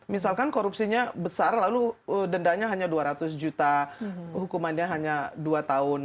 misalkan korupsinya besar lalu dendanya hanya dua ratus juta hukumannya hanya dua tahun